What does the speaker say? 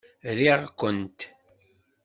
Riɣ-kent!